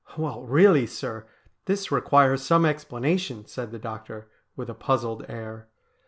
' Well, really, sir, this requires some explanation,' said the doctor with a puzzled air.